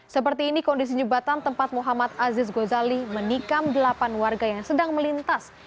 seperti ini kondisi jembatan tempat muhammad aziz gozali menikam delapan warga yang sedang melintas